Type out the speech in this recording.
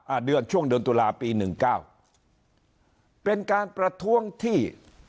เดือนช่วงเดือนตุลาปีหนึ่งเก้าเป็นการประท้วงที่